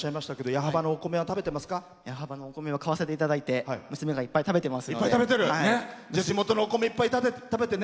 矢巾のお米は買わせていただいて娘がいっぱい食べてます。